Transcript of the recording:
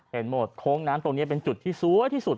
เห็นหมดโค้งน้ำตรงนี้เป็นจุดที่สวยที่สุด